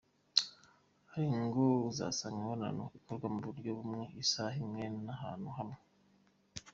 Hari ingo uzasanga imibonano ikorwa mu buryo bumwe, isaha imwe n’ahantu hamwe.